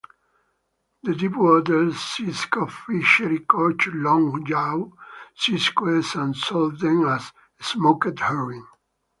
The deepwater cisco fishery caught longjaw ciscoes and sold them as "smoked herring".